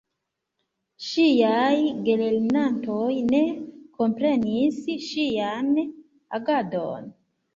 Ŝiaj gelernantoj ne komprenis ŝian agadon.